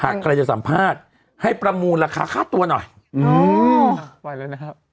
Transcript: หากใครจะสัมภาษณ์ให้ประมูลละคะข้าวตัวหน่อยอ๋อไปแล้วนะครับ